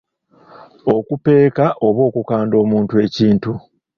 Okupeeka oba okukanda omuntu ekintu.